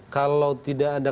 kalau tidak ada